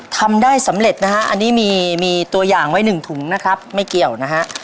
ทำได้สำเร็จนะฮะอันนี้มีตัวอย่างไว้หนึ่งถุงนะครับไม่เกี่ยวนะฮะ